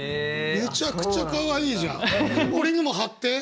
めちゃくちゃかわいいじゃん。